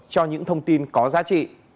cho những thông tin có giá trị